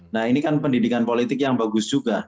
nah ini kan pendidikan politik yang bagus juga